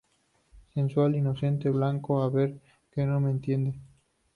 sensual, inocente, blanco. a ver, que no me entiende.